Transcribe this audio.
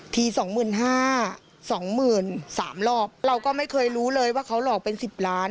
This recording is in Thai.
ทีสองหมื่นห้าสองหมื่นสามรอบเราก็ไม่เคยรู้เลยว่าเขาหลอกเป็น๑๐ล้าน